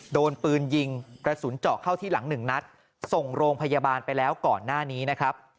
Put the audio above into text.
โดนปืนยิงกระสุนเจาะเข้าที่หลังหนึ่งนัดส่งโรงพยาบาลไปแล้วก่อนหน้านี้นะครับ